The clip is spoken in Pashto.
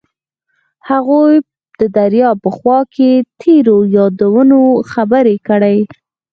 هغوی د دریا په خوا کې تیرو یادونو خبرې کړې.